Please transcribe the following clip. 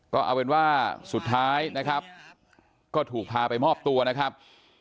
ก็เอาเป็นว่าสุดท้ายนะครับก็ถูกพาไปมอบตัวนะครับ